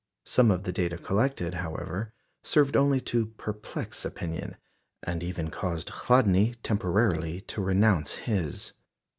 Some of the data collected, however, served only to perplex opinion, and even caused Chladni temporarily to renounce his.